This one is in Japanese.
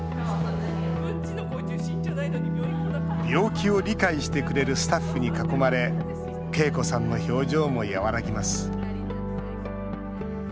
病気を理解してくれるスタッフに囲まれ恵子さんの表情も和らぎます